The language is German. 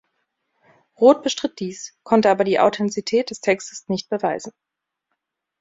Roth bestritt dies, konnte aber die Authentizität des Textes nicht beweisen.